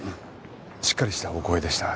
しっかりしたお声でした。